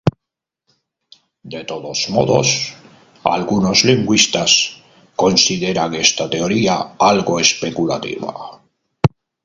De todos modos, algunos lingüistas consideran esta teoría algo especulativa.